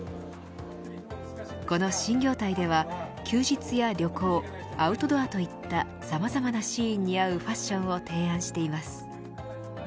この新業態では休日や旅行アウトドアといったさまざまなシーンに合うファッションを提案しています。